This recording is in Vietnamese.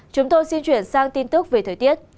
chúng tôi xin chuyển sang tin tức về thời tiết